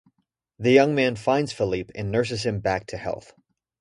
The young man finds Philippe and nurses him back to health.